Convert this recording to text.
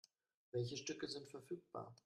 Welche Stücke sind verfügbar?